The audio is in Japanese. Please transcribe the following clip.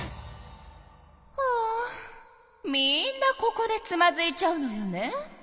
ああみんなここでつまずいちゃうのよね。